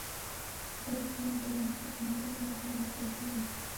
بل دین برم ختمولو لپاره کافي وي.